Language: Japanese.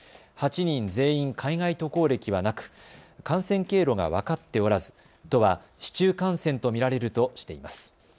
８人全員海外渡航歴はなく感染経路が分かっておらず都は市中感染と見られるとしています。